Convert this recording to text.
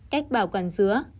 cách bảo quản dứa